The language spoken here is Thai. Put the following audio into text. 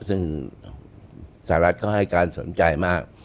ซึ่งสหรัฐก็ให้การสนใจมาก